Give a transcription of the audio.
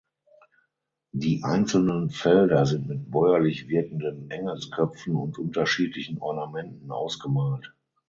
Die einzelnen Felder sind mit bäuerlich wirkenden Engelsköpfen und unterschiedlichen Ornamenten ausgemalt.